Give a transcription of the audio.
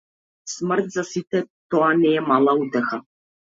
Смрт за сите тоа не е мала утеха.